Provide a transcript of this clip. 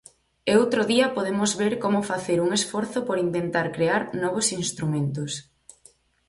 E outro día podemos ver como facer un esforzo por intentar crear novos instrumentos.